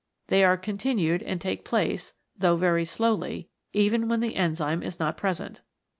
They are continued and take place, though very slowly, even when the enzyme is not present.